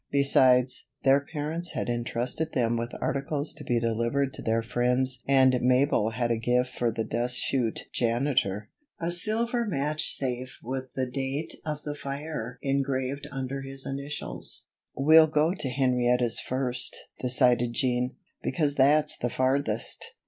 Besides, their parents had intrusted them with articles to be delivered to their friends and Mabel had a gift for the dust chute Janitor, a silver match safe with the date of the fire engraved under his initials. "We'll go to Henrietta's first," decided Jean, "because that's the farthest."